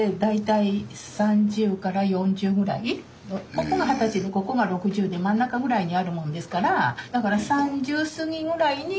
ここが二十歳でここが６０で真ん中ぐらいにあるもんですから。